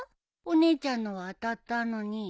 お姉ちゃんのは当たったのに。